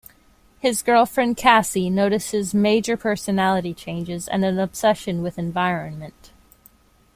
His girlfriend Cassy notices major personality changes and an obsession with environment.